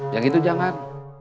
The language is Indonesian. yang itu jangan